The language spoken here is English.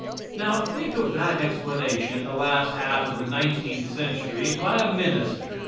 Now, think of that explanation in the last half of the nineteenth century by a minister.